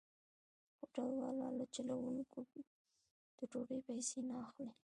هوټل والا له چلوونکو د ډوډۍ پيسې نه اخلي.